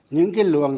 những cái luồng